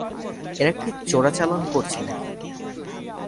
এরা কি চোরাচালান করছে নাকি?